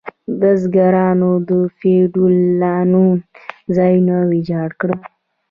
بزګرانو د فیوډالانو ځایونه ویجاړ کړل.